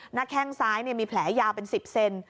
หน้าแข้งซ้ายเนี่ยมีแผลยาวเป็น๑๐เซน